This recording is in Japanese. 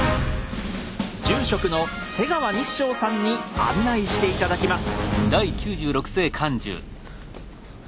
住職の瀬川日照さんに案内して頂きます。